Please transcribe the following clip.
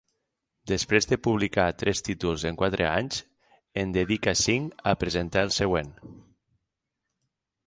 Després de publicar tres títols en quatre anys, en dedica cinc a presentar el següent.